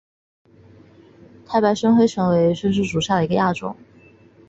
太白深灰槭为槭树科槭属下的一个亚种。